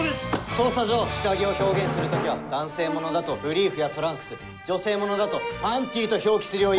捜査上下着を表現する時は男性物だと「ブリーフ」や「トランクス」女性物だと「パンティ」と表記するよう。